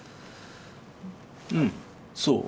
うんそう。